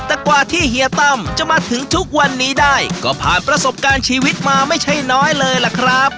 แต่กว่าที่เฮียตั้มจะมาถึงทุกวันนี้ได้ก็ผ่านประสบการณ์ชีวิตมาไม่ใช่น้อยเลยล่ะครับ